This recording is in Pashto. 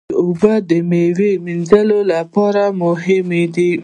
اوبه د میوې وینځلو لپاره مهمې دي.